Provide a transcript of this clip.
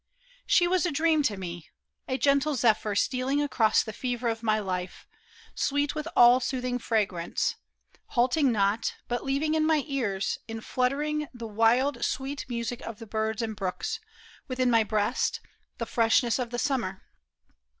She was a dream to me, a gentle zephyr Stealing across the fever of my life. Sweet with all soothing fragrance ; halting not, But leaving in my ears, in fluttering by. The wild sweet music of the birds and brooks. Within my breast, the freshness of the summer.